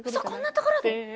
こんなところで？